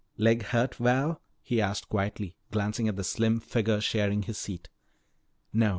"Leg hurt, Val?" he asked quietly, glancing at the slim figure sharing his seat. "No.